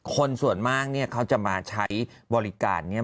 คนส่วนมากเนี่ยเขาจะมาใช้บริการเนี่ย